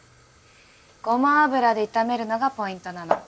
ごま油で炒めるのがポイントなの。